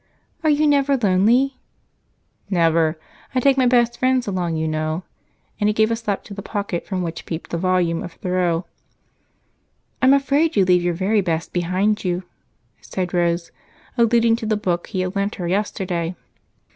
"Are you never lonely?" "Never. I take my best friends along, you know," and he gave a slap to the pocket from which peeped the volume of Thoreau. "I'm afraid you leave your very best behind you," said Rose, alluding to the book he had lent her yesterday.